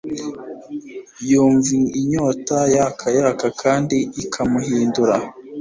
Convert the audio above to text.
yumva inyota yaka yaka kandi ikamuhindura